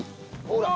ほら！